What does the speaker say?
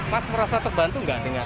mas merasa terbantu nggak dengan